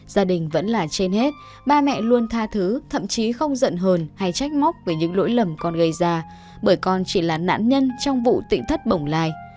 gia đình vẫn là trên hết ba mẹ luôn tha thứ thậm chí không giận hơn hay trách móc về những lỗi lầm còn gây ra bởi con chỉ là nạn nhân trong vụ tỉnh thất bồng lai